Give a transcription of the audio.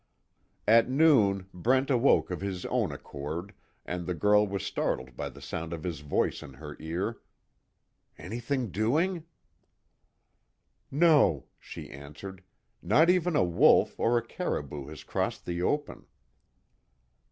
At noon, Brent awoke of his own accord, and the girl was startled by the sound of his voice in her ear: "Anything doing?" "No," she answered, "Not even a wolf, or a caribou has crossed the open."